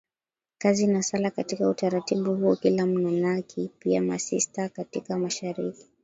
kazi na sala Katika utaratibu huo kila mmonaki pia masista katika mashirika